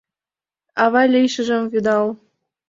Ава лийшыжым вӱдал